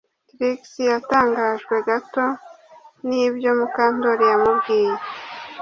Trix yatangajwe gato nibyo Mukandoli yamubwiye